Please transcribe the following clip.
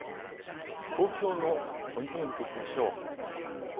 東京のポイント予報を見ていきましょう。